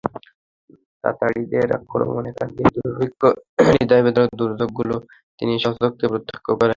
তাতারীদের আক্রমণ, একাধিক দুর্ভিক্ষ, হৃদয়বিদারক দুর্যোগগুলো তিনি স্বচক্ষে প্রত্যক্ষ করেন।